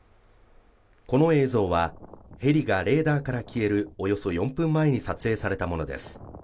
この映像はヘリがレーダーから消えるおよそ４分前に撮影されたものです